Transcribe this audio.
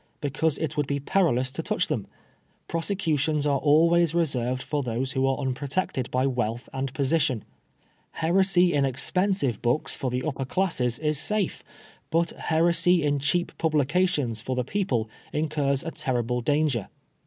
Because it would be perilous to touch them. Prosecutions are always reserved for those who are unprotected by wealth and position. Heresy in expensive books for the upper classes is safe, but heresy in cheap publications for the people incurs a terrible danger.